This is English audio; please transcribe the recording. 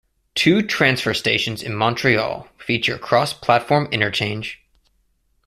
Two transfer stations in Montreal feature cross-platform interchange.